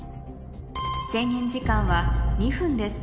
制限時間は２分です